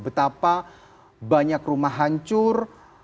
betapa banyak rumah hancur